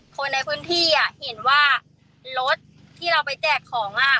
คนในพื้นที่อ่ะเห็นว่ารถที่เราไปแจกของอ่ะ